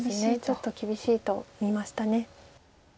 ちょっと厳しいと見ました。